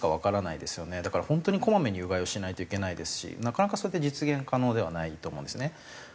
だから本当にこまめにうがいをしないといけないですしなかなかそれって実現可能ではないと思うんですね。